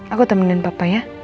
aku temenin papa ya